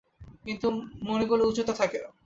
কিন্তু মণিগুলো উঁচুতে থাকে।